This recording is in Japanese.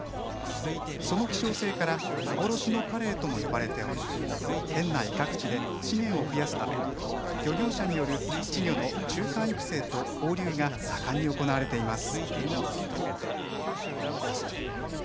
その希少性から幻のカレイとも呼ばれており県内各地で資源を増やすため漁業者による稚魚の中間育成と放流が盛んに行われています。